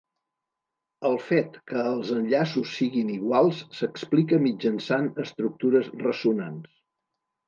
El fet que els enllaços siguin iguals s'explica mitjançant estructures ressonants.